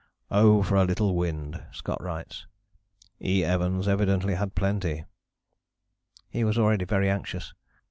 "Oh! for a little wind," Scott writes. "E. Evans evidently had plenty." He was already very anxious.